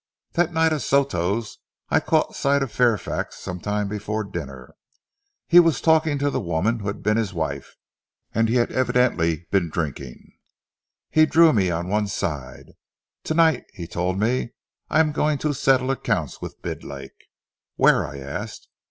That night at Soto's I caught sight of Fairfax some time before dinner. He was talking to the woman who had been his wife, and he had evidently been drinking. He drew me on one side. 'To night,' he told me, 'I am going to settle accounts with Bidlake.' 'Where?' I asked.